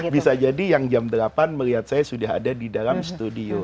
bisa jadi yang jam delapan melihat saya sudah ada di dalam studio